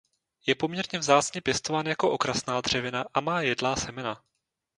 Je poměrně vzácně pěstován jako okrasná dřevina a má jedlá semena.